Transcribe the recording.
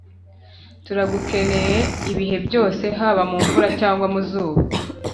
Turagukeneye ibihe byose haba mumvura cyangwa ku zuba